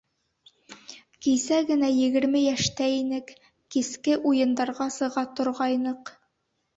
Кисә генә егерме йәштә инек, киске уйындарға сыға торғайныҡ...